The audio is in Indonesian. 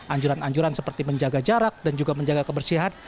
anjuran anjuran seperti menjaga jarak dan juga menjaga kebersihan